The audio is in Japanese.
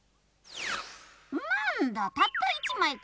なんだたった１まいか。